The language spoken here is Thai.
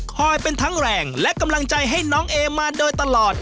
เป็นทั้งแรงและกำลังใจให้น้องเอมาโดยตลอด